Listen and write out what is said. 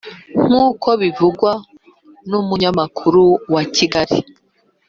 nkuko bivugwa n’umunyamakuru wa kigali